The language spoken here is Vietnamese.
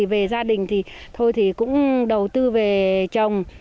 về gia đình thì thôi cũng đầu tư về trồng